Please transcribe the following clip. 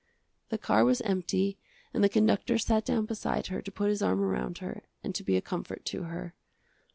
The car was empty and the conductor sat down beside her to put his arm around her, and to be a comfort to her.